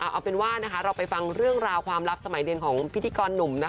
เอาเป็นว่าเราไปฟังเรื่องราวความลับสมัยเรียนของพิธีกรหนุ่ม